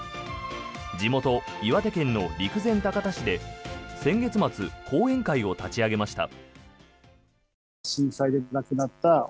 地元・岩手県の陸前高田市で先月末後援会を立ち上げました。